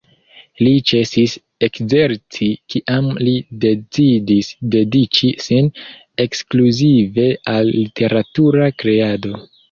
Li ĉesis ekzerci kiam li decidis dediĉi sin ekskluzive al literatura kreado.